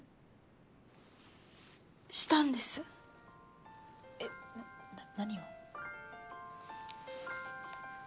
したんですえっ？何を？